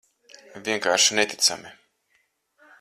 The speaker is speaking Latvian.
Vienkārši neticami.